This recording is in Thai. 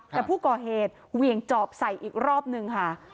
แต่ผู้ก่อเหตุเหวี่ยงจอบใส่อีกรอบนึงค่ะ